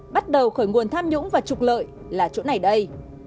bắt đầu khởi nguồn tham nhũng và trục lợi là chỗ này đây